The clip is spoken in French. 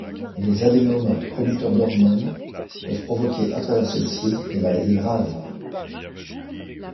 Les adénomes producteurs d'hormones peuvent provoquer à travers celles-ci des maladies graves.